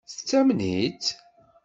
Tettamen-itt?